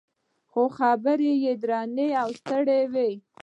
خو خبرې یې درنې او ستړې وې.